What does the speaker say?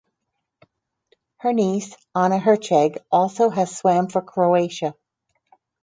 Her niece Ana Herceg also has swam for Croatia.